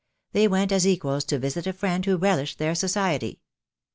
They went as equals to visit a friend who relished their society.